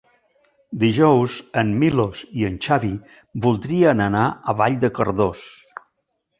Dijous en Milos i en Xavi voldrien anar a Vall de Cardós.